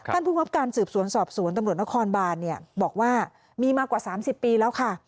ภูมิครับการสืบสวนสอบสวนตำรวจนครบานบอกว่ามีมากว่า๓๐ปีแล้วค่ะ